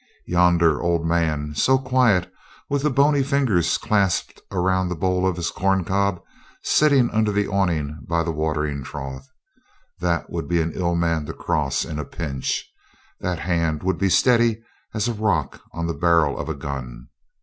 Yonder old man, so quiet, with the bony fingers clasped around the bowl of his corncob, sitting under the awning by the watering trough that would be an ill man to cross in a pinch that hand would be steady as a rock on the barrel of a gun.